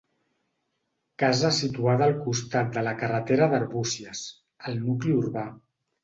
Casa situada al costat de la carretera d'Arbúcies, al nucli urbà.